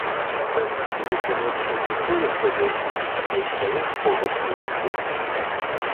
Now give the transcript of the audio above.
Сюды, канечне, не тое, што зайсці, а і стаяць побач немагчыма.